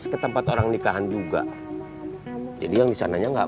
siap pak ustadz erek